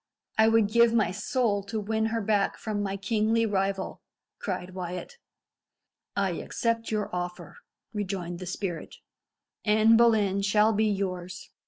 "I would give my soul to win her back from my kingly rival," cried Wyat. "I accept your offer," rejoined the spirit. "Anne Boleyn shall be yours.